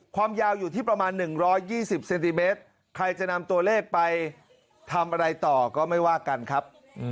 ความยาวอยู่ที่ประมาณ๑๒๐เซนติเมตรใครจะนำตัวเลขไปทำอะไรต่อก็ไม่ว่ากันครับ